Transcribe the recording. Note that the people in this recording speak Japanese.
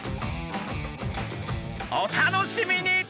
お楽しみに！